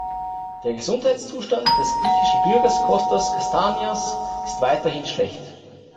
Der Gesundheitszustand des griechischen Bürgers Kostas Kastanias ist weiterhin schlecht.